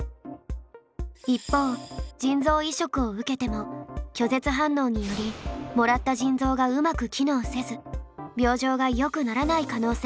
一方腎臓移植を受けても拒絶反応によりもらった腎臓がうまく機能せず病状がよくならない可能性もあるんです。